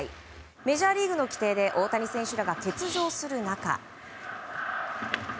メジャーリーグの規定で大谷選手らが欠場する中。